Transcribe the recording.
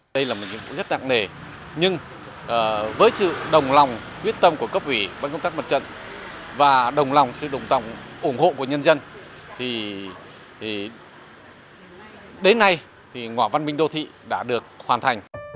đây là một nhiệm vụ rất đặc nề nhưng với sự đồng lòng quyết tâm của cấp ủy văn công tác mặt trận và đồng lòng sự đồng tọng ủng hộ của nhân dân đến nay thì ngõ văn minh đô thị đã được hoàn thành